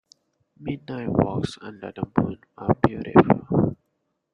Midnight walks under the moon are beautiful.